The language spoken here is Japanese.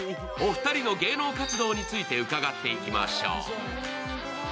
お二人の芸能活動について伺っていきましょう。